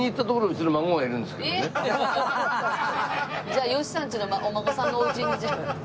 えっ！じゃあ吉さんちのお孫さんのおうちにじゃあ。